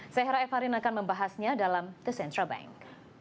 saya hera evarin akan membahasnya dalam the central bank